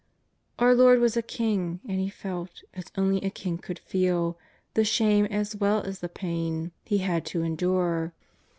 Our Lord was a king, and He felt, as only a king could feel, the shame as well as the pain He had to endure.